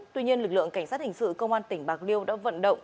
tuy nhiên lực lượng cảnh sát hình sự công an tỉnh bạc liêu đã vận động